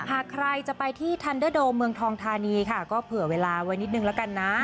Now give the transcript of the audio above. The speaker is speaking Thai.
หากใครจะไปที่ทันเดอร์โดเมืองทองธานีค่ะก็เผื่อเวลาไว้นิดนึงแล้วกันนะ